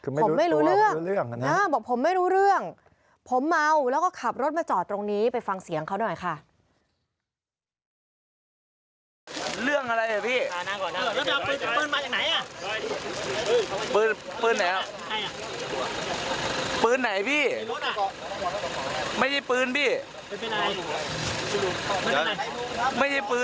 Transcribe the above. ผมไม่รู้เรื่องรู้เรื่องนะบอกผมไม่รู้เรื่องผมเมาแล้วก็ขับรถมาจอดตรงนี้ไปฟังเสียงเขาหน่อยค่ะ